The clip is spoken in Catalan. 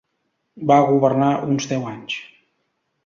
Va governar uns deu anys.